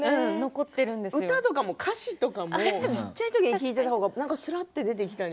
歌とか歌詞とかも小さい時に聴いていたものがずらっと出てきたり。